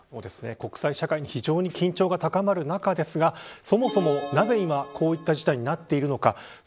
国際社会に非常に緊張が高まっていますがそもそも、なぜこういう事態になっているのか。